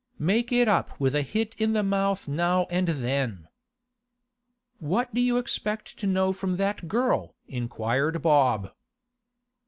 Make it up with a hit in the mouth now and then.' 'What do you expect to know from that girl?' inquired Bob.